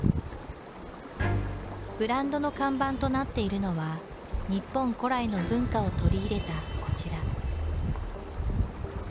ブランドの看板となっているのは日本古来の文化を取り入れたこちら。